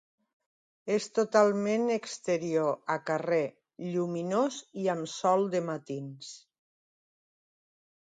És totalment exterior a carrer, lluminós i amb sol de matins.